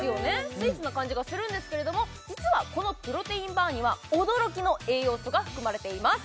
スイーツな感じがするんですけれども実はこのプロテインバーには驚きの栄養素が含まれています